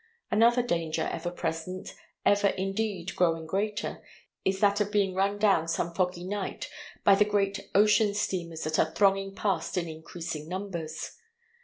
Another danger ever present, ever indeed growing greater, is that of being run down some foggy night by the great ocean steamers that are thronging past in increasing numbers.